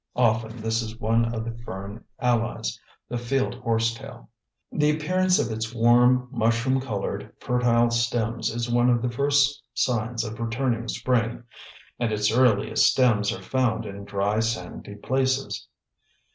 Often this is one of the fern allies, the field horsetail. The appearance of its warm, mushroom colored, fertile stems is one of the first signs of returning spring, and its earliest stems are found in dry sandy places.